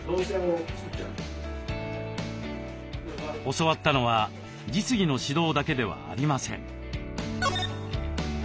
教わったのは実技の指導だけではありません。